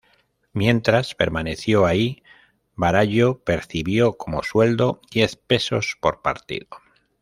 Mientras permaneció ahí, Varallo percibió como sueldo diez pesos por partido.